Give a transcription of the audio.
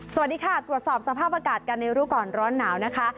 สวัสดีค่ะตรวจสอบสภาพอากาศกันในรู้ก่อนร้อนหนาวนะคะ